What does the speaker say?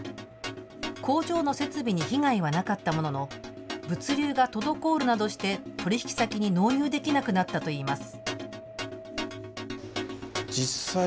工場の設備に被害はなかったものの物流が滞るなどして取引先に納入できなくなったといいます。